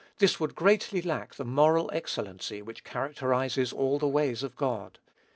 This would greatly lack the moral excellency which characterizes all the ways of God.